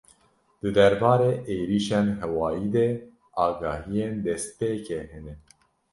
Di derbarê êrîşên hewayî de agahiyên destpêkê hene.